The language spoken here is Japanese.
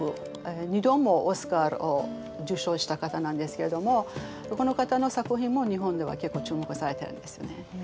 ２度もオスカーを受賞した方なんですけれどもこの方の作品も日本では結構注目されてるんですね。